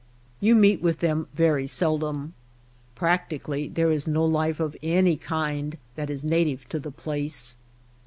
You meet with them very seldom. Practically there is no life of any kind that is native to the place.